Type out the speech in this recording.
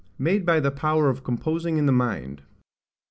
Made by the Power of composing in the Mind.